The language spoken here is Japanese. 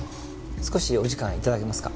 少しお時間頂けますか？